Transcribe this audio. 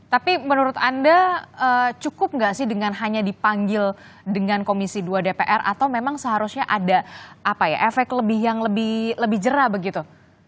tapi menurut anda cukup nggak sih dengan hanya dipanggil dengan komisi dua dpr atau memang seharusnya ada efek yang lebih jerah begitu